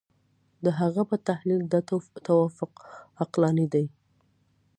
د هغه په تحلیل دا توافق عقلاني دی.